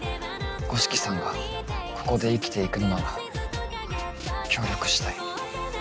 五色さんがここで生きていくのなら協力したい。